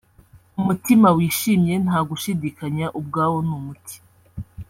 Umutima wishimye nta gushidikanya ubwawo ni umuti